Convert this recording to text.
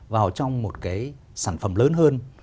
vào trong một sản phẩm lớn hơn